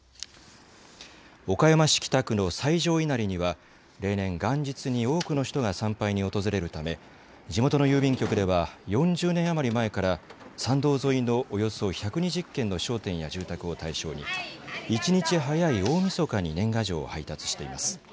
岡山市北区の最上稲荷には例年、元日に多くの人が参拝に訪れるため地元の郵便局では４０年余り前から参道沿いのおよそ１２０軒の商店や住宅を対象に一日早い大みそかに年賀状を配達しています。